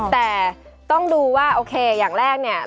แต่ต้องดูว่าโอเคอย่างแรกเนี่ย